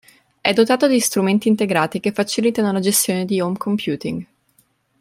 È dotato di strumenti integrati che facilitano la gestione di home computing.